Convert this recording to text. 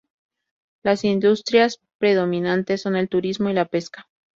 Las industrias predominantes son el turismo y la pesca.